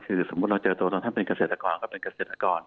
คือสมมุติเราเจอตัวตอนท่านเป็นเกษตรกรก็เป็นเกษตรกร